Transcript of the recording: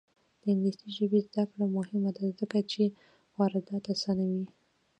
د انګلیسي ژبې زده کړه مهمه ده ځکه چې واردات اسانوي.